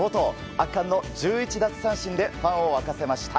圧巻の１１奪三振でファンを沸かせました。